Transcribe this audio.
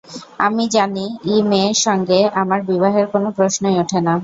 আমি জানি, ই মেয়ের সঙ্গে আমার বিবাহের কোনো প্রশ্নই ওঠে না।